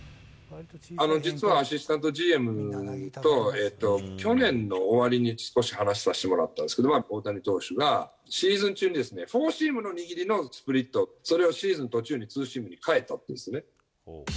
実はアシスタントＧＭと、去年の終わりに少し話させてもらったんですけど、大谷投手がシーズン中にですね、フォーシームの握りのスプリット、それをシーズン途中にツーシームに変えたっていうんですね。